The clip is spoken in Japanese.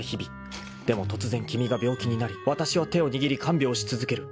［でも突然君が病気になりわたしは手を握り看病し続ける］